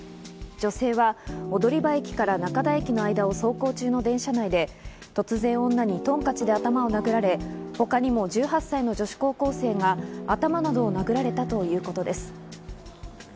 女性が踊場駅から中田駅の間を走行中の電車内で突然女にトンカチで頭を殴られ、他にも１８歳の女子高校生が頭などを殴られたということです。